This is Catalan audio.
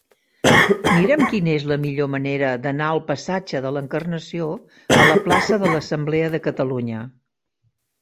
Mira'm quina és la millor manera d'anar del passatge de l'Encarnació a la plaça de l'Assemblea de Catalunya.